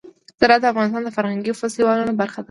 زراعت د افغانستان د فرهنګي فستیوالونو برخه ده.